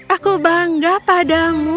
aku bangga padamu